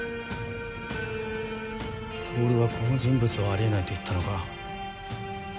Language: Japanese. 透はこの人物をあり得ないと言ったのか。